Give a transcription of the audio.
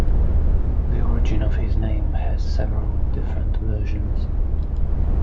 The origin of his name has several different versions.